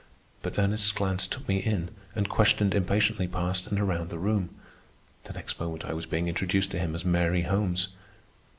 But Ernest's glance took me in and questioned impatiently past and around the room. The next moment I was being introduced to him as Mary Holmes.